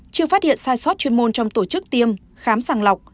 chưa phát hiện sai sót chuyên môn trong tổ chức tiêm khám sàng lọc